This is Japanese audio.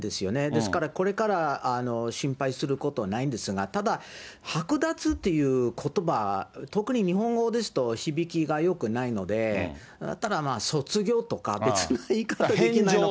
ですからこれから、心配することないんですが、ただ、剥奪っていうことば、特に日本語ですと響きがよくないので、卒業とか、返上とかね。